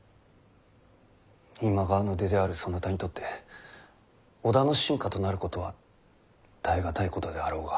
今川の出であるそなたにとって織田の臣下となることは耐え難いことであろうが。